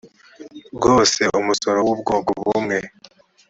rwose umusoro w ubwoko bumwe